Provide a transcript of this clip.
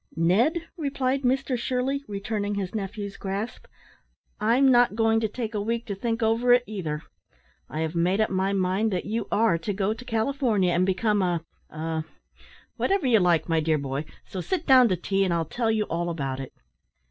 "Ned," replied Mr Shirley, returning his nephew's grasp, "I'm not going to take a week to think over it either. I have made up my mind that you are to go to California, and become a a whatever you like, my dear boy; so sit down to tea, and I'll tell you all about it."